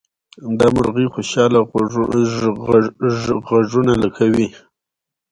دا مرغۍ خوشحاله غږونه کوي.